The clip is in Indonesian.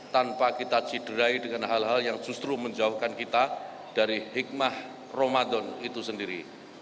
tanpa kita cederai dengan hal hal yang justru menjauhkan kita dari hikmah ramadan itu sendiri